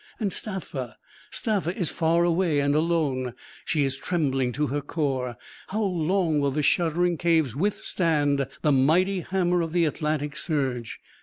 And Staffa Staffa is far away and alone; she is trembling to her core: how long will the shuddering caves withstand the mighty hammer of the Atlantic surge?